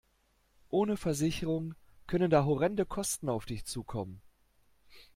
Ohne Versicherung können da horrende Kosten auf dich zukommen.